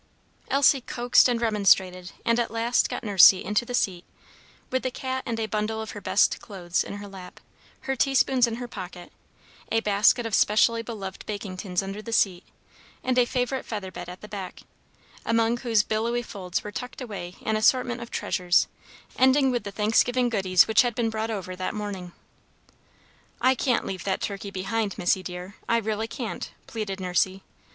Elsie coaxed and remonstrated, and at last got Nursey into the seat, with the cat and a bundle of her best clothes in her lap, her tea spoons in her pocket, a basket of specially beloved baking tins under the seat, and a favorite feather bed at the back, among whose billowy folds were tucked away an assortment of treasures, ending with the Thanksgiving goodies which had been brought over that morning. "I can't leave that turkey behind, Missy, dear I really can't!" pleaded Nursey.